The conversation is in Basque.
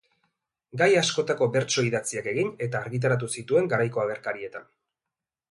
Gai askotako bertso idatziak egin eta argitaratu zituen garaiko agerkarietan.